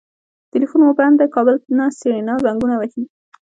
ټليفون مو بند دی کابل نه سېرېنا زنګونه وهي.